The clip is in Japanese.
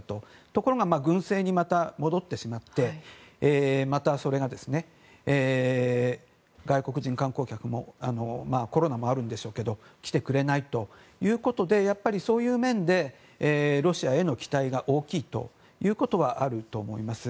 ところが軍政にまた戻ってしまってまた、外国人観光客もコロナもあるんでしょうけど来てくれないということでやっぱりそういう面でロシアへの期待が大きいということはあると思います。